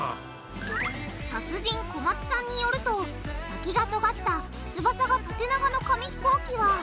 達人小松さんによると先がとがった翼が縦長の紙ひこうきは